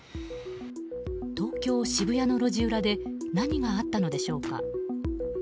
東京・渋谷の路地裏で何があったのでしょうか。